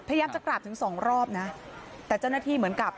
พยายามจะกราบถึงสองรอบนะแต่เจ้าหน้าที่เหมือนกับ